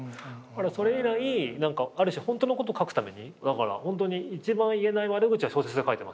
それ以来ある種ホントのこと書くために一番言えない悪口は小説で書いてます。